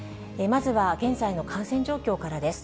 まずは現在の感染状況からです。